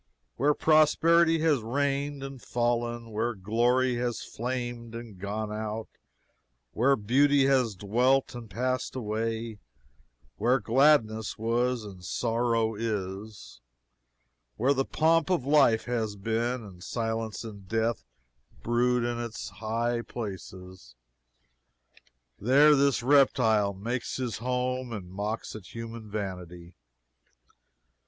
Where prosperity has reigned, and fallen; where glory has flamed, and gone out; where beauty has dwelt, and passed away; where gladness was, and sorrow is; where the pomp of life has been, and silence and death brood in its high places, there this reptile makes his home, and mocks at human vanity.